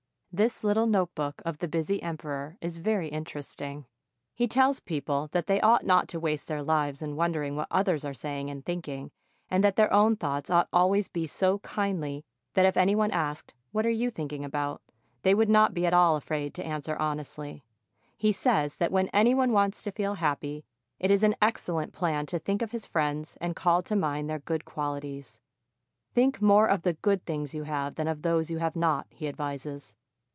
This little notebook of the busy emperor is very interesting. He tells people that they ought not to waste their lives in wondering what others are saying and thinking, and that their own thoughts ought always to be so kindly that if any one asked, "What are you thinking about?" they would not be at all afraid to answer honestly. He says that when any one wants to feel happy, it is an excellent plan to think of his friends and call to mind their good qualities. Think more of the good things you have than of those you have not, he advises.